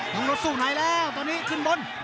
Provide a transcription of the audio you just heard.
น้องรถสู้ไหนแล้วตอนนี้ขึ้นบน